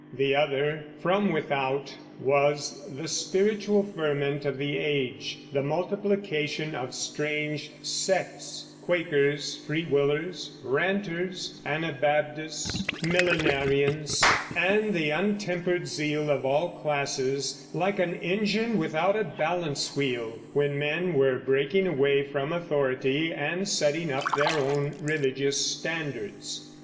The other, from without, was the spiritual ferment of the age, the multiplication of strange sects, Quakers, Free Willers, Ranters, Anabaptists, Millenarians, and the untempered zeal of all classes, like an engine without a balance wheel, when men were breaking away from authority and setting up their own religious standards.